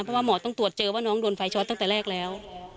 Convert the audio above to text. เพราะว่าหมอต้องตรวจเจอว่าน้องโดนไฟช็อตตั้งแต่แรกแล้ว